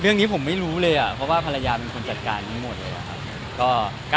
เรื่องนี้ผมไม่รู้เลยเพราะว่าภรรยาเป็นคนจัดการนี้หมดครับ